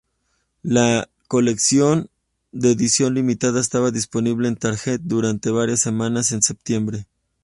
La colección de edición limitada estaba disponible en Target durante varias semanas en septiembre.